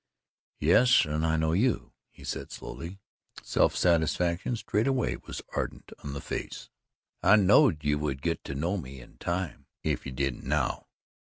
"Yes, and I know you," he said slowly. Self satisfaction, straightway, was ardent in the face. "I knowed you would git to know me in time, if you didn't now."